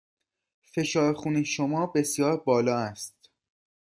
فشار خون شما بسیار بالا است.